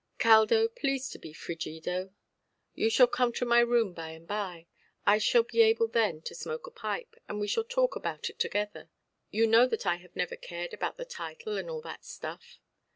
"Caldo, please to be frigido. You shall come to my room by–and–by. I shall be able then to smoke a pipe, and we will talk about it together. You know that I have never cared about the title and all that stuff".